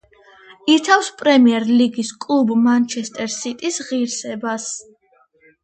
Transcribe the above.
იცავს პრემიერ ლიგის კლუბ „მანჩესტერ სიტის“ ღირსებას.